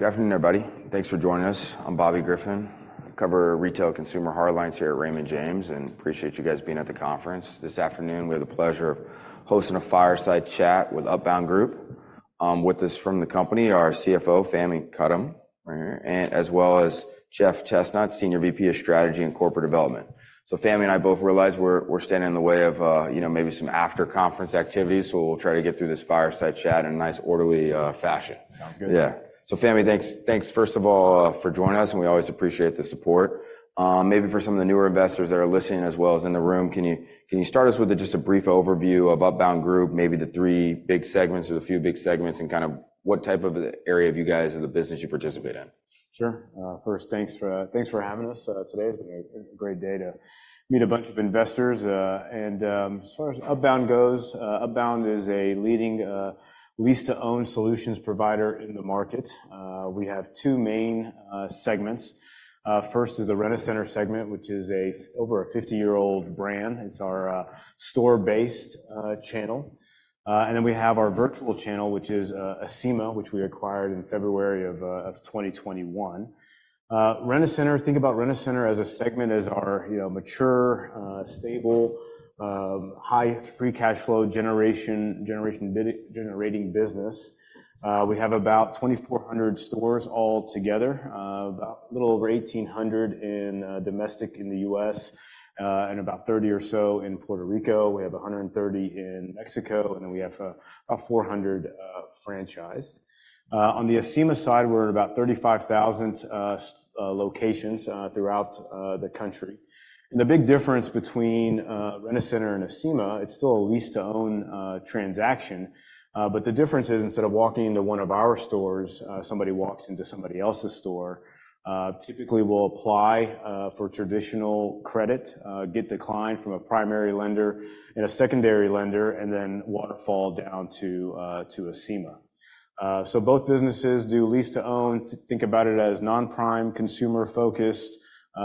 Good afternoon, everybody. Thanks for joining us. I'm Bobby Griffin. I cover retail consumer hard lines here at Raymond James, and appreciate you guys being at the conference. This afternoon, we have the pleasure of hosting a fireside chat with Upbound Group. With us from the company are CFO Fahmi Karam, right here, and as well as Jeff Chesnut, Senior VP of Strategy and Corporate Development. So Fahmi and I both realize we're standing in the way of, you know, maybe some after-conference activities, so we'll try to get through this fireside chat in a nice orderly fashion. Sounds good. Yeah. So Fahmi, thanks, thanks first of all, for joining us, and we always appreciate the support. Maybe for some of the newer investors that are listening as well as in the room, can you, can you start us with just a brief overview of Upbound Group, maybe the three big segments or the few big segments, and kind of what type of area of you guys or the business you participate in? Sure. First, thanks for, thanks for having us today. It's been a great day to meet a bunch of investors. As far as Upbound goes, Upbound is a leading lease-to-own solutions provider in the market. We have two main segments. First is the Rent-A-Center segment, which is a over a 50-year-old brand. It's our store-based channel. Then we have our virtual channel, which is Acima, which we acquired in February of 2021. Rent-A-Center, think about Rent-A-Center as a segment as our, you know, mature, stable, high free cash flow generation, generation bid-generating business. We have about 2,400 stores altogether, about a little over 1,800 in domestic in the U.S., and about 30 or so in Puerto Rico. We have 130 in Mexico, and then we have about 400 franchised. On the Acima side, we're in about 35,000+ locations throughout the country. And the big difference between Rent-A-Center and Acima, it's still a lease-to-own transaction. But the difference is instead of walking into one of our stores, somebody walks into somebody else's store, typically we'll apply for traditional credit, get declined from a primary lender and a secondary lender, and then waterfall down to Acima. So both businesses do lease-to-own. Think about it as non-prime consumer-focused. You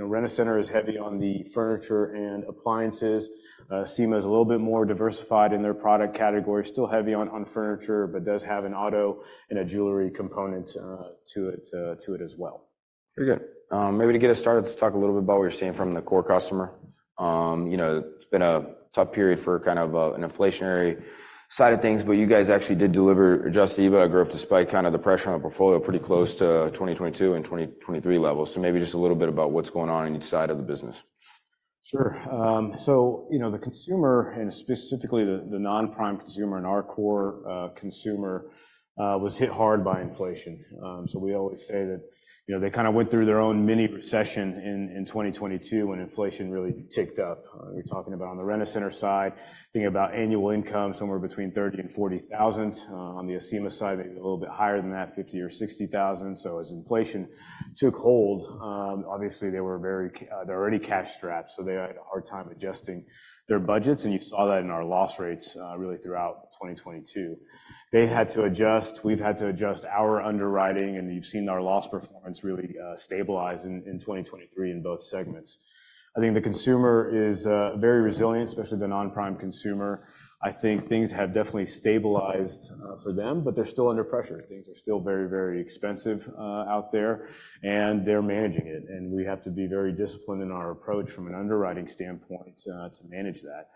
know, Rent-A-Center is heavy on the furniture and appliances. Acima is a little bit more diversified in their product category, still heavy on furniture, but does have an auto and a jewelry component to it as well. Very good. Maybe to get us started, let's talk a little bit about what you're seeing from the core customer. You know, it's been a tough period for kind of an inflationary side of things, but you guys actually did deliver just a little bit of growth despite kind of the pressure on the portfolio pretty close to 2022 and 2023 levels. So maybe just a little bit about what's going on on each side of the business. Sure. So, you know, the consumer and specifically the non-prime consumer and our core consumer was hit hard by inflation. So we always say that, you know, they kind of went through their own mini recession in 2022 when inflation really ticked up. We're talking about on the Rent-A-Center side, thinking about annual income somewhere between $30,000 and $40,000. On the Acima side, maybe a little bit higher than that, $50,000 or $60,000. So as inflation took hold, obviously they were very cash-strapped, they're already cash-strapped, so they had a hard time adjusting their budgets. And you saw that in our loss rates, really throughout 2022. They had to adjust. We've had to adjust our underwriting, and you've seen our loss performance really stabilize in 2023 in both segments. I think the consumer is very resilient, especially the non-prime consumer. I think things have definitely stabilized for them, but they're still under pressure. Things are still very, very expensive out there, and they're managing it. We have to be very disciplined in our approach from an underwriting standpoint to manage that.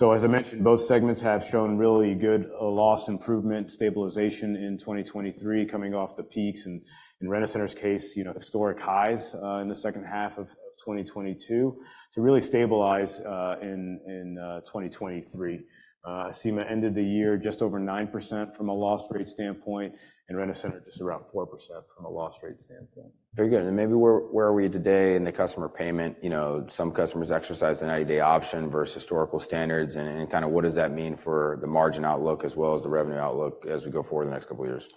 As I mentioned, both segments have shown really good loss improvement, stabilization in 2023 coming off the peaks and, in Rent-A-Center's case, you know, historic highs in the second half of 2022 to really stabilize in 2023. Acima ended the year just over 9% from a loss rate standpoint, and Rent-A-Center just around 4% from a loss rate standpoint. Very good. Maybe where, where are we today in the customer payment? You know, some customers exercise the 90-day option versus historical standards. Kind of what does that mean for the margin outlook as well as the revenue outlook as we go forward the next couple of years?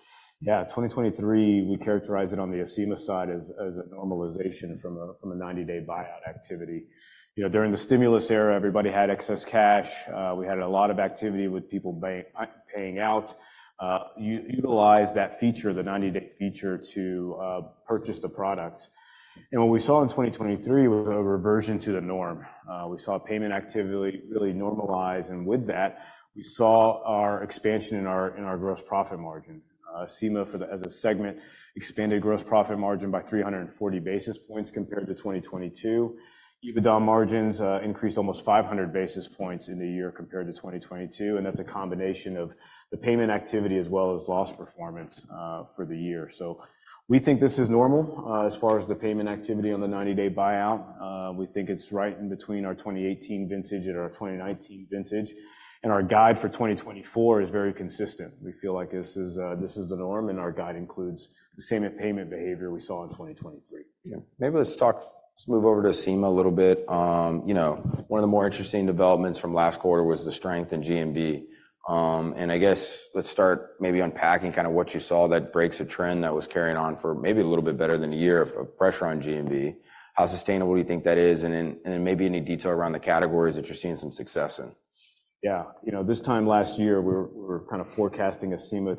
Yeah. 2023, we characterize it on the Acima side as a normalization from a 90-day buyout activity. You know, during the stimulus era, everybody had excess cash. We had a lot of activity with people buying out, utilize that feature, the 90-day feature, to purchase the product. And what we saw in 2023 was a reversion to the norm. We saw payment activity really normalize. And with that, we saw our expansion in our gross profit margin. Acima, as a segment, expanded gross profit margin by 340 basis points compared to 2022. EBITDA margins increased almost 500 basis points in the year compared to 2022. And that's a combination of the payment activity as well as loss performance for the year. So we think this is normal, as far as the payment activity on the 90-day buyout. We think it's right in between our 2018 vintage and our 2019 vintage. Our guide for 2024 is very consistent. We feel like this is, this is the norm, and our guide includes the same payment behavior we saw in 2023. Yeah. Maybe let's talk let's move over to Acima a little bit. You know, one of the more interesting developments from last quarter was the strength in GMV. I guess let's start maybe unpacking kind of what you saw that breaks a trend that was carrying on for maybe a little bit better than a year of pressure on GMV. How sustainable do you think that is? And then maybe any detail around the categories that you're seeing some success in. Yeah. You know, this time last year, we were kind of forecasting Acima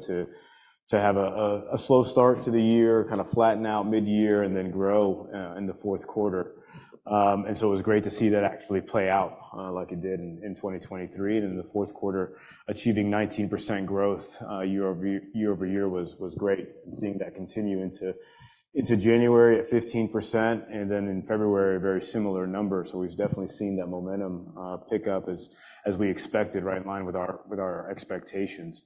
to have a slow start to the year, kind of flatten out mid-year, and then grow in the fourth quarter. And so it was great to see that actually play out, like it did in 2023. And then the fourth quarter achieving 19% growth, year-over-year was great. And seeing that continue into January at 15%, and then in February, a very similar number. So we've definitely seen that momentum pick up as we expected, right in line with our expectations.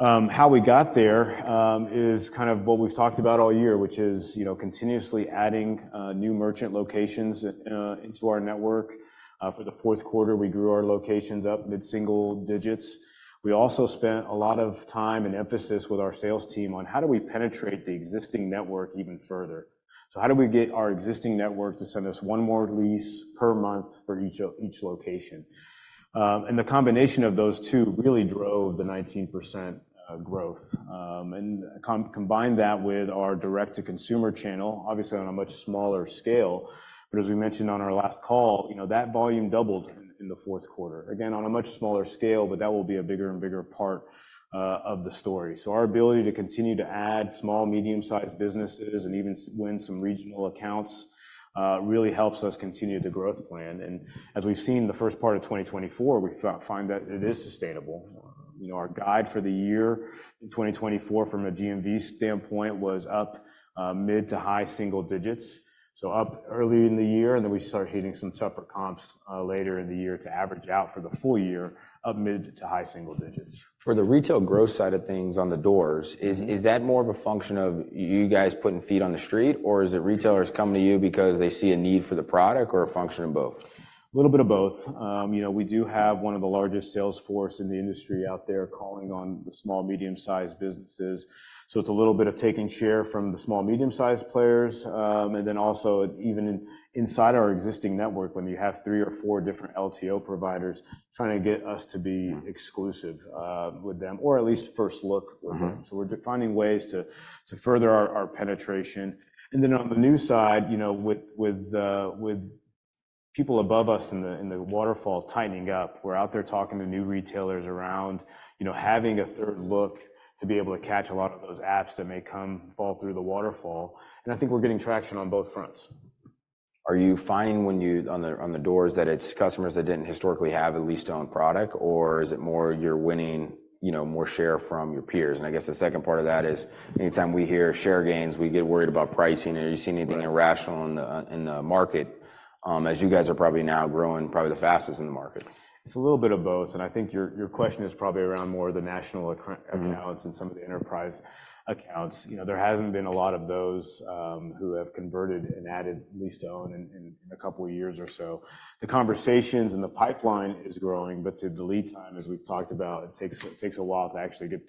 How we got there is kind of what we've talked about all year, which is, you know, continuously adding new merchant locations into our network. For the fourth quarter, we grew our locations up mid-single digits. We also spent a lot of time and emphasis with our sales team on how do we penetrate the existing network even further? So how do we get our existing network to send us one more lease per month for each each location? And the combination of those two really drove the 19% growth. And combine that with our direct-to-consumer channel, obviously on a much smaller scale. But as we mentioned on our last call, you know, that volume doubled in the fourth quarter. Again, on a much smaller scale, but that will be a bigger and bigger part of the story. So our ability to continue to add small, medium-sized businesses and even win some regional accounts really helps us continue the growth plan. And as we've seen the first part of 2024, we find that it is sustainable. You know, our guide for the year in 2024 from a GMV standpoint was up, mid- to high-single-digits. So up early in the year, and then we start hitting some tougher comps, later in the year to average out for the full year, up mid- to high-single-digits. For the retail growth side of things on the doors, is that more of a function of you guys putting feet on the street, or is it retailers coming to you because they see a need for the product or a function of both? A little bit of both. You know, we do have one of the largest sales force in the industry out there calling on the small, medium-sized businesses. So it's a little bit of taking share from the small, medium-sized players, and then also even in, inside our existing network when you have three or four different LTO providers trying to get us to be exclusive with them or at least first look with them. So we're defining ways to, to further our, our penetration. And then on the new side, you know, with, with, with people above us in the in the waterfall tightening up, we're out there talking to new retailers around, you know, having a third look to be able to catch a lot of those apps that may come fall through the waterfall. And I think we're getting traction on both fronts. Are you finding when you're on the ground that it's customers that didn't historically have a lease-to-own product, or is it more you're winning, you know, more share from your peers? I guess the second part of that is anytime we hear share gains, we get worried about pricing. Have you seen anything irrational in the market, as you guys are probably now growing probably the fastest in the market? It's a little bit of both. And I think your, your question is probably around more the national account accounts and some of the enterprise accounts. You know, there hasn't been a lot of those who have converted and added lease-to-own in a couple of years or so. The conversations and the pipeline is growing, but the lead time, as we've talked about, it takes a while to actually get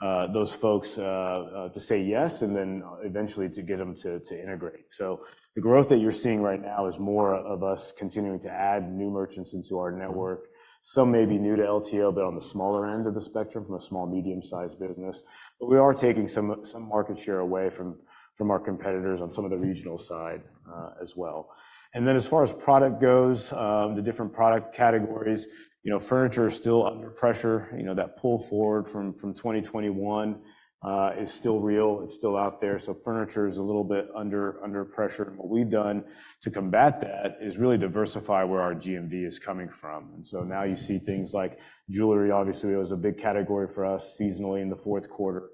those folks to say yes and then eventually to get them to integrate. So the growth that you're seeing right now is more of us continuing to add new merchants into our network. Some may be new to LTO, but on the smaller end of the spectrum from a small, medium-sized business. But we are taking some market share away from our competitors on some of the regional side, as well. And then as far as product goes, the different product categories, you know, furniture is still under pressure. You know, that pull forward from, from 2021, is still real. It's still out there. So furniture is a little bit under, under pressure. And what we've done to combat that is really diversify where our GMV is coming from. And so now you see things like jewelry, obviously it was a big category for us seasonally in the fourth quarter.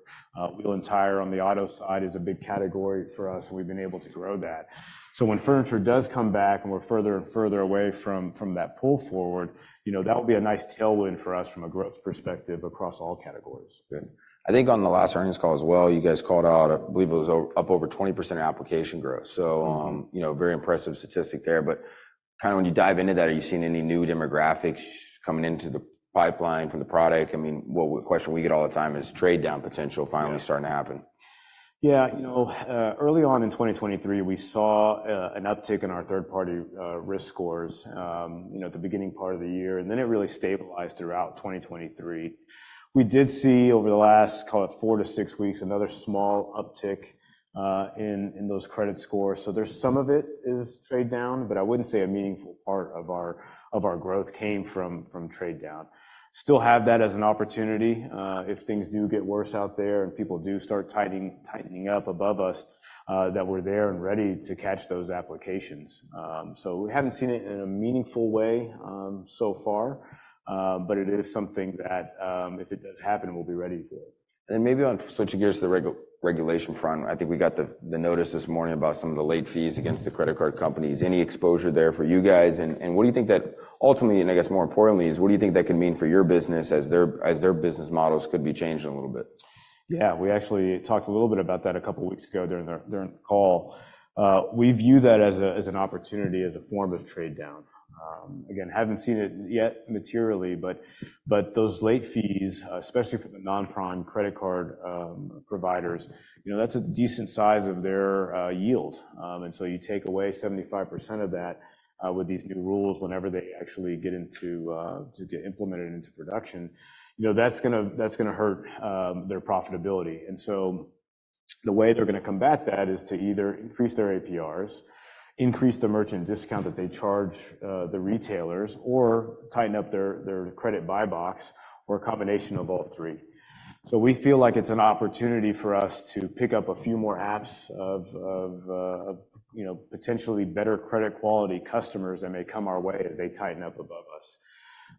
Wheel and tire on the auto side is a big category for us, and we've been able to grow that. So when furniture does come back and we're further and further away from, from that pull forward, you know, that will be a nice tailwind for us from a growth perspective across all categories. Good. I think on the last earnings call as well, you guys called out, I believe it was up over 20% application growth. So, you know, very impressive statistic there. But kind of when you dive into that, are you seeing any new demographics coming into the pipeline from the product? I mean, what question we get all the time is trade-down potential finally starting to happen. Yeah. You know, early on in 2023, we saw an uptick in our third-party risk scores, you know, at the beginning part of the year, and then it really stabilized throughout 2023. We did see over the last, call it, four to six weeks, another small uptick in those credit scores. So there's some of it is trade-down, but I wouldn't say a meaningful part of our of our growth came from from trade-down. Still have that as an opportunity, if things do get worse out there and people do start tightening tightening up above us, that we're there and ready to catch those applications. So we haven't seen it in a meaningful way, so far. But it is something that, if it does happen, we'll be ready for it. And then maybe on switching gears to the regulation front, I think we got the notice this morning about some of the late fees against the credit card companies. Any exposure there for you guys? And what do you think that ultimately, and I guess more importantly, is what do you think that can mean for your business as their business models could be changed a little bit? Yeah. We actually talked a little bit about that a couple of weeks ago during the call. We view that as an opportunity, as a form of trade-down. Again, haven't seen it yet materially, but those late fees, especially for the non-prime credit card providers, you know, that's a decent size of their yield. And so you take away 75% of that, with these new rules whenever they actually get implemented into production, you know, that's gonna hurt their profitability. And so the way they're gonna combat that is to either increase their APRs, increase the merchant discount that they charge the retailers, or tighten up their credit buy box, or a combination of all three. So we feel like it's an opportunity for us to pick up a few more apps of, you know, potentially better credit quality customers that may come our way if they tighten up above us.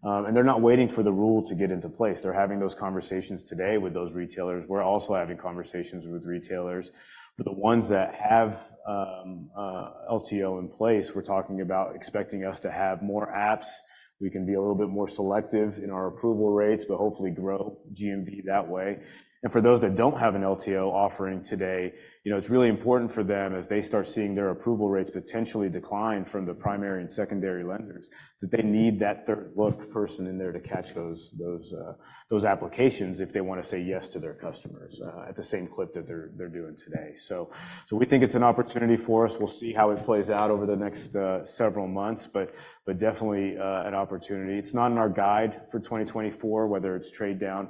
And they're not waiting for the rule to get into place. They're having those conversations today with those retailers. We're also having conversations with retailers. For the ones that have LTO in place, we're talking about expecting us to have more apps. We can be a little bit more selective in our approval rates, but hopefully grow GMV that way. For those that don't have an LTO offering today, you know, it's really important for them as they start seeing their approval rates potentially decline from the primary and secondary lenders that they need that third-look person in there to catch those applications if they wanna say yes to their customers, at the same clip that they're doing today. So we think it's an opportunity for us. We'll see how it plays out over the next several months, but definitely, an opportunity. It's not in our guide for 2024, whether it's trade-down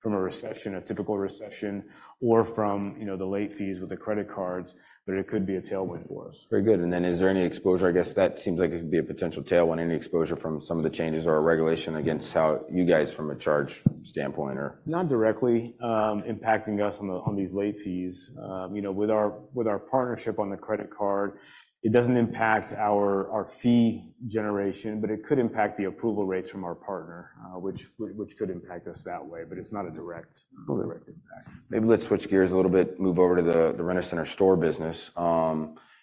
from a recession, a typical recession, or from, you know, the late fees with the credit cards, but it could be a tailwind for us. Very good. And then, is there any exposure? I guess that seems like it could be a potential tailwind, any exposure from some of the changes or regulation against how you guys from a charge standpoint or. Not directly impacting us on these late fees, you know, with our partnership on the credit card, it doesn't impact our fee generation, but it could impact the approval rates from our partner, which could impact us that way. But it's not a direct impact. Maybe let's switch gears a little bit, move over to the, the Rent-A-Center store business.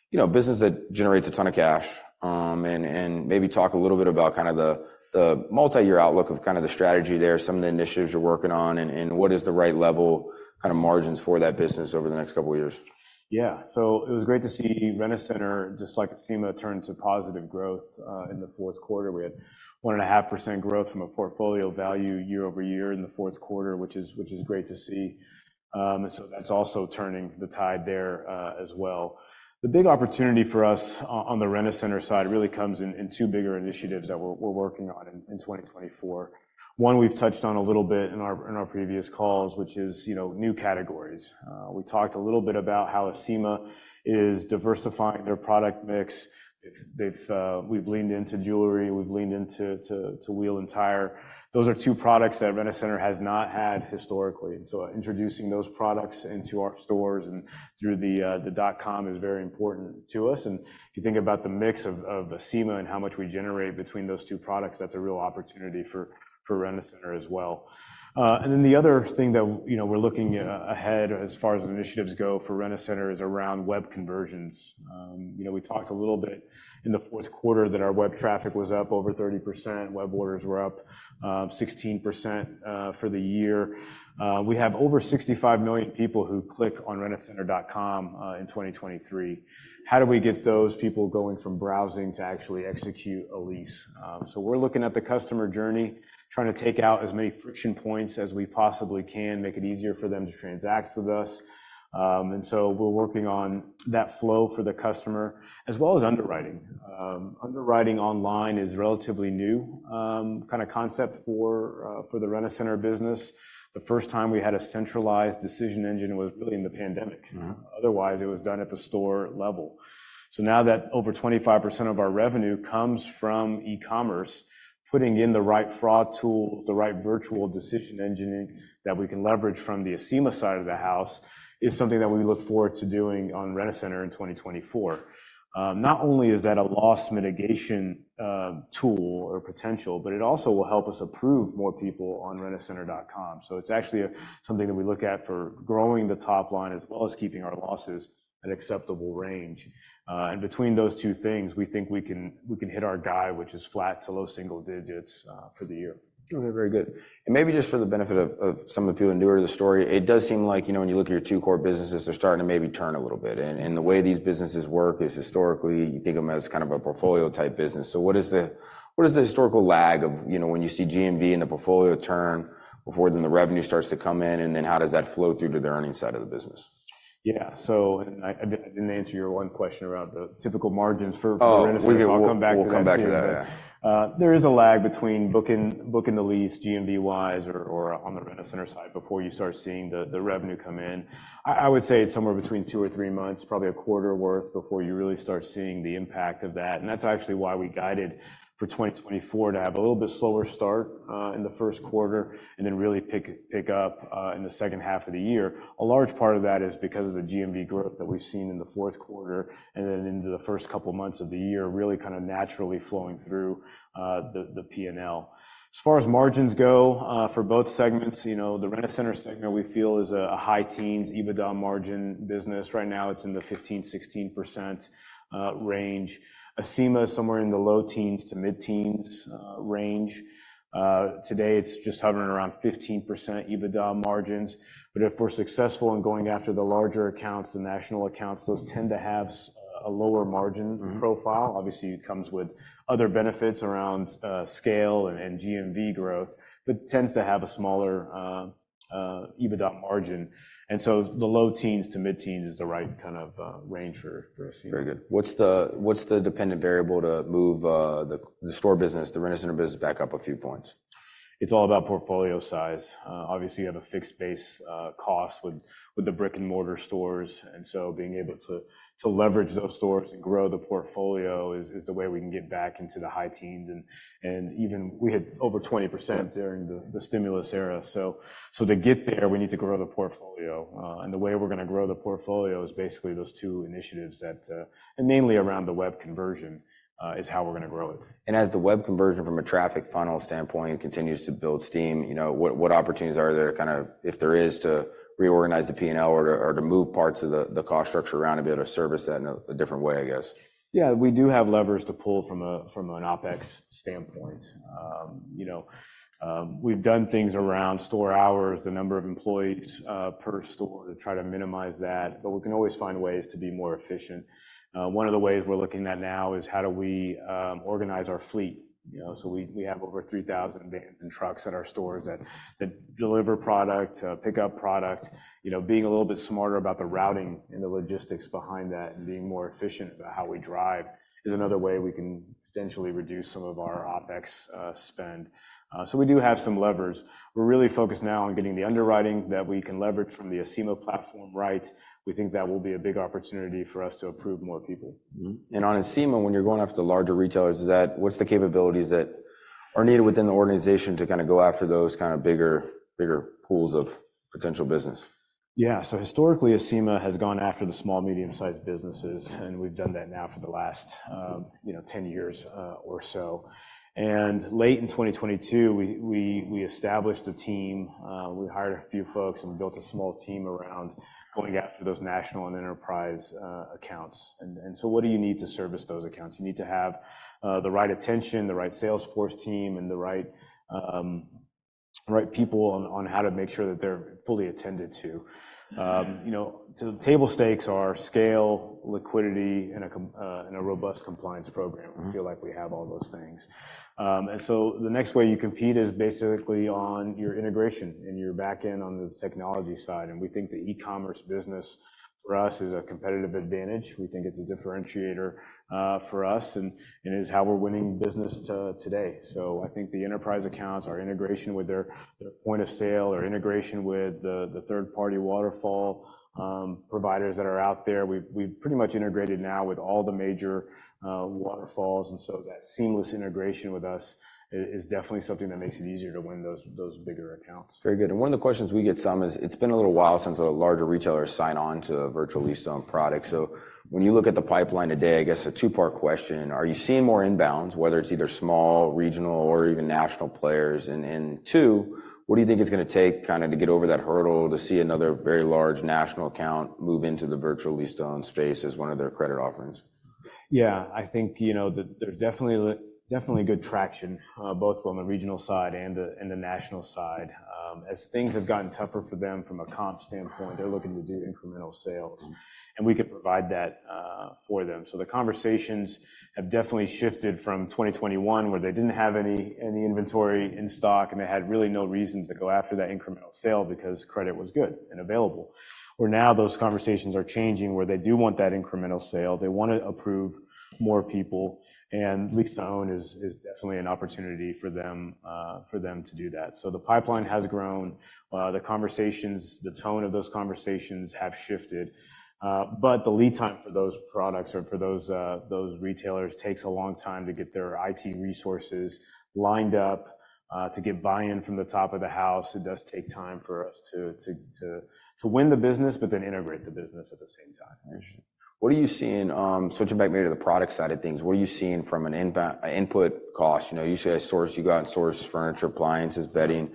You know, business that generates a ton of cash, and, and maybe talk a little bit about kind of the, the multi-year outlook of kind of the strategy there, some of the initiatives you're working on, and, and what is the right level kind of margins for that business over the next couple of years? Yeah. So it was great to see Rent-A-Center just like Acima turn to positive growth in the fourth quarter. We had 1.5% growth from a portfolio value year-over-year in the fourth quarter, which is great to see. And so that's also turning the tide there, as well. The big opportunity for us on the Rent-A-Center side really comes in two bigger initiatives that we're working on in 2024. One we've touched on a little bit in our previous calls, which is, you know, new categories. We talked a little bit about how Acima is diversifying their product mix. They've we've leaned into jewelry. We've leaned into wheel and tire. Those are two products that Rent-A-Center has not had historically. And so introducing those products into our stores and through the dot-com is very important to us. And if you think about the mix of Acima and how much we generate between those two products, that's a real opportunity for Rent-A-Center as well. And then the other thing that, you know, we're looking ahead as far as initiatives go for Rent-A-Center is around web conversions. You know, we talked a little bit in the fourth quarter that our web traffic was up over 30%. Web orders were up 16% for the year. We have over 65 million people who click on Rent-A-Center.com in 2023. How do we get those people going from browsing to actually execute a lease? So we're looking at the customer journey, trying to take out as many friction points as we possibly can, make it easier for them to transact with us. And so we're working on that flow for the customer as well as underwriting. Underwriting online is a relatively new kind of concept for the Rent-A-Center business. The first time we had a centralized decision engine was really in the pandemic. Otherwise, it was done at the store level. So now that over 25% of our revenue comes from e-commerce, putting in the right fraud tool, the right virtual decision engine that we can leverage from the Acima side of the house is something that we look forward to doing on Rent-A-Center in 2024. Not only is that a loss mitigation tool or potential, but it also will help us approve more people on rentacenter.com. So it's actually a something that we look at for growing the top line as well as keeping our losses at acceptable range. And between those two things, we think we can hit our guide, which is flat to low single digits, for the year. Okay. Very good. And maybe just for the benefit of some of the people newer to the story, it does seem like, you know, when you look at your two core businesses, they're starting to maybe turn a little bit. And the way these businesses work is historically, you think of them as kind of a portfolio-type business. So what is the historical lag of, you know, when you see GMV and the portfolio turn before then the revenue starts to come in, and then how does that flow through to the earnings side of the business? Yeah. I didn't answer your one question around the typical margins for Rent-A-Center. Well, we'll come back to that. We'll come back to that. Yeah. There is a lag between booking the lease GMV-wise or on the Rent-A-Center side before you start seeing the revenue come in. I would say it's somewhere between two or three months, probably a quarter worth before you really start seeing the impact of that. And that's actually why we guided for 2024 to have a little bit slower start in the first quarter and then really pick up in the second half of the year. A large part of that is because of the GMV growth that we've seen in the fourth quarter and then into the first couple of months of the year, really kind of naturally flowing through the P&L. As far as margins go, for both segments, you know, the Rent-A-Center segment, we feel is a high teens EBITDA margin business. Right now, it's in the 15%-16% range. Acima is somewhere in the low teens to mid-teens range. Today, it's just hovering around 15% EBITDA margins. But if we're successful in going after the larger accounts, the national accounts, those tend to have a lower margin profile. Obviously, it comes with other benefits around scale and GMV growth, but tends to have a smaller EBITDA margin. And so the low teens to mid-teens is the right kind of range for Acima. Very good. What's the dependent variable to move the store business, the Rent-A-Center business back up a few points? It's all about portfolio size. Obviously, you have a fixed base cost with the brick-and-mortar stores. And so being able to leverage those stores and grow the portfolio is the way we can get back into the high teens. And even we had over 20% during the stimulus era. So to get there, we need to grow the portfolio. And the way we're gonna grow the portfolio is basically those two initiatives, and mainly around the web conversion, is how we're gonna grow it. As the web conversion from a traffic funnel standpoint continues to build steam, you know, what, what opportunities are there kind of, if there is, to reorganize the P&L or to or to move parts of the, the cost structure around to be able to service that in a different way, I guess? Yeah. We do have levers to pull from an OpEx standpoint. You know, we've done things around store hours, the number of employees per store to try to minimize that, but we can always find ways to be more efficient. One of the ways we're looking at now is how do we organize our fleet, you know? So we have over 3,000 vans and trucks at our stores that deliver product, pick up product. You know, being a little bit smarter about the routing and the logistics behind that and being more efficient about how we drive is another way we can potentially reduce some of our OpEx spend. So we do have some levers. We're really focused now on getting the underwriting that we can leverage from the Acima platform right. We think that will be a big opportunity for us to approve more people. Mm-hmm. And on Acima, when you're going after the larger retailers, is that what's the capabilities that are needed within the organization to kind of go after those kind of bigger, bigger pools of potential business? Yeah. So historically, Acima has gone after the small, medium-sized businesses, and we've done that now for the last, you know, 10 years, or so. And late in 2022, we established a team. We hired a few folks and built a small team around going after those national and enterprise accounts. And so what do you need to service those accounts? You need to have the right attention, the right Salesforce team, and the right people on how to make sure that they're fully attended to. You know, so the table stakes are scale, liquidity, and a combined and a robust compliance program. We feel like we have all those things. And so the next way you compete is basically on your integration and your backend on the technology side. And we think the e-commerce business for us is a competitive advantage. We think it's a differentiator for us and is how we're winning business to this day. So I think the enterprise accounts, our integration with their point of sale, our integration with the third-party waterfall providers that are out there, we've pretty much integrated now with all the major waterfalls. And so that seamless integration with us is definitely something that makes it easier to win those bigger accounts. Very good. And one of the questions we get some is it's been a little while since a larger retailer signed on to a virtual lease-to-own product. So when you look at the pipeline today, I guess a two-part question, are you seeing more inbounds, whether it's either small, regional, or even national players? And, and two, what do you think it's gonna take kind of to get over that hurdle to see another very large national account move into the virtual lease-to-own space as one of their credit offerings? Yeah. I think, you know, that there's definitely definitely good traction, both on the regional side and the national side. As things have gotten tougher for them from a comp standpoint, they're looking to do incremental sales. And we can provide that, for them. So the conversations have definitely shifted from 2021 where they didn't have any inventory in stock, and they had really no reason to go after that incremental sale because credit was good and available. Where now those conversations are changing where they do want that incremental sale. They wanna approve more people. And lease-to-own is definitely an opportunity for them to do that. So the pipeline has grown. The conversations, the tone of those conversations have shifted. But the lead time for those products or for those retailers takes a long time to get their IT resources lined up, to get buy-in from the top of the house. It does take time for us to win the business, but then integrate the business at the same time. Understood. What are you seeing, switching back maybe to the product side of things, what are you seeing from an inbound input cost? You know, you say you source your goods in source, furniture, appliances, bedding.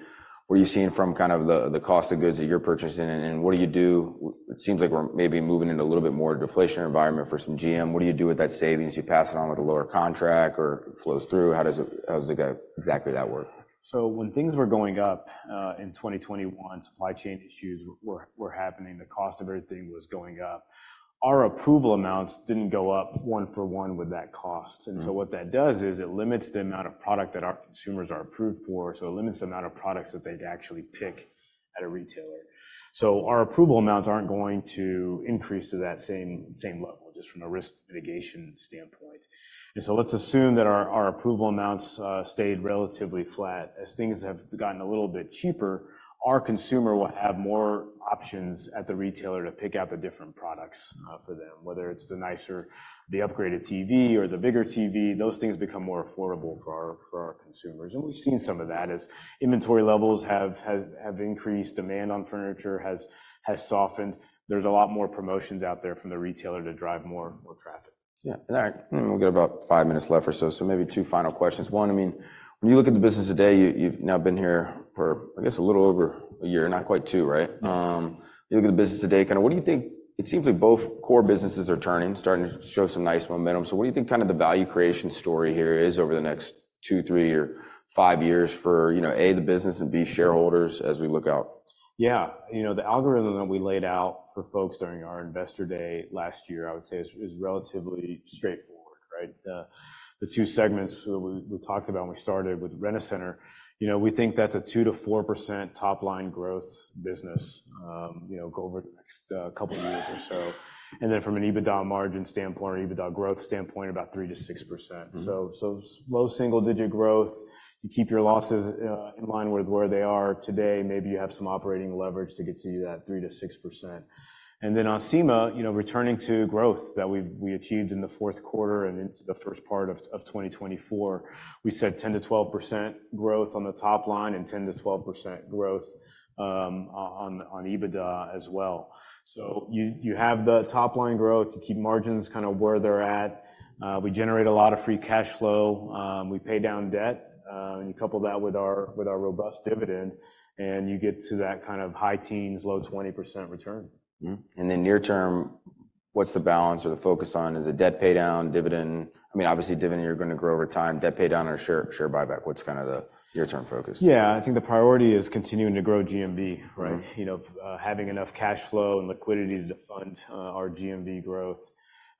What are you seeing from kind of the cost of goods that you're purchasing? And what do you do? It seems like we're maybe moving into a little bit more deflation environment for some GM. What do you do with that savings? You pass it on with a lower contract or it flows through? How does it go exactly? How does that work? So when things were going up, in 2021, supply chain issues were happening. The cost of everything was going up. Our approval amounts didn't go up one for one with that cost. And so what that does is it limits the amount of product that our consumers are approved for. So it limits the amount of products that they actually pick at a retailer. So our approval amounts aren't going to increase to that same level just from a risk mitigation standpoint. And so let's assume that our approval amounts stayed relatively flat. As things have gotten a little bit cheaper, our consumer will have more options at the retailer to pick out the different products for them, whether it's the nicer, the upgraded TV or the bigger TV. Those things become more affordable for our consumers. We've seen some of that as inventory levels have increased. Demand on furniture has softened. There's a lot more promotions out there from the retailer to drive more traffic. Yeah. All right. We've got about five minutes left or so. So maybe two final questions. One, I mean, when you look at the business today, you've, you've now been here for, I guess, a little over a year, not quite two, right? You look at the business today, kind of what do you think it seems like both core businesses are turning, starting to show some nice momentum. So what do you think kind of the value creation story here is over the next two, three, or five years for, you know, A, the business, and B, shareholders as we look out? Yeah. You know, the algorithm that we laid out for folks during our investor day last year, I would say, is, is relatively straightforward, right? The two segments that we, we talked about when we started with Rent-A-Center, you know, we think that's a 2%-4% top line growth business, you know, going over the next couple of years or so. And then from an EBITDA margin standpoint or EBITDA growth standpoint, about 3%-6%. So, so low single digit growth, you keep your losses in line with where they are today. Maybe you have some operating leverage to get to that 3%-6%. And then on Acima, you know, returning to growth that we achieved in the fourth quarter and into the first part of 2024, we said 10%-12% growth on the top line and 10%-12% growth on EBITDA as well. So you have the top line growth. You keep margins kind of where they're at. We generate a lot of free cash flow. We pay down debt. And you couple that with our robust dividend, and you get to that kind of high teens, low 20% return. Mm-hmm. And then near term, what's the balance or the focus on? Is it debt paydown, dividend? I mean, obviously, dividend, you're gonna grow over time. Debt paydown or share, share buyback? What's kind of the near-term focus? Yeah. I think the priority is continuing to grow GMV, right? You know, having enough cash flow and liquidity to fund our GMV growth.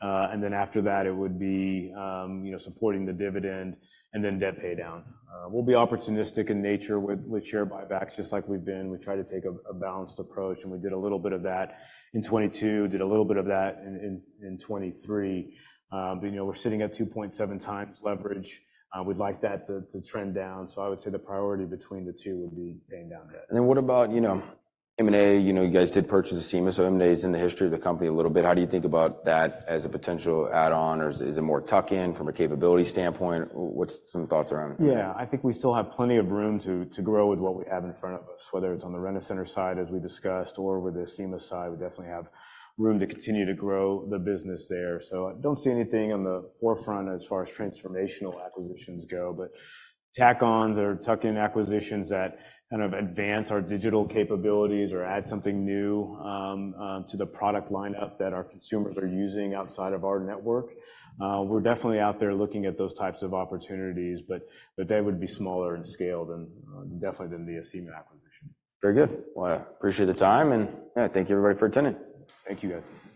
And then after that, it would be, you know, supporting the dividend and then debt paydown. We'll be opportunistic in nature with share buybacks just like we've been. We try to take a balanced approach, and we did a little bit of that in 2022, did a little bit of that in 2023. But, you know, we're sitting at 2.7 times leverage. We'd like that to trend down. So I would say the priority between the two would be paying down debt. And then what about, you know, M&A? You know, you guys did purchase Acima. So M&A is in the history of the company a little bit. How do you think about that as a potential add-on? Or is it more tuck-in from a capability standpoint? What's some thoughts around that? Yeah. I think we still have plenty of room to, to grow with what we have in front of us, whether it's on the Rent-A-Center side as we discussed or with the Acima side. We definitely have room to continue to grow the business there. So I don't see anything on the forefront as far as transformational acquisitions go, but tack-ons or tuck-in acquisitions that kind of advance our digital capabilities or add something new, to the product lineup that our consumers are using outside of our network. We're definitely out there looking at those types of opportunities, but, but they would be smaller in scale than, definitely than the Acima acquisition. Very good. Well, I appreciate the time. Yeah, thank you, everybody, for attending. Thank you, guys.